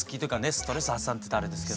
ストレス発散って言ったらあれですけど。